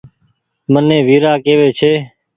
مني ويرآ ڪيوي ڇي